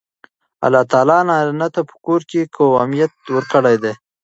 الله تعالی نارینه ته په کور کې قوامیت ورکړی دی.